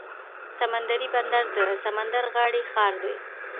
سمندري بندر د سمندر غاړې ښار دی.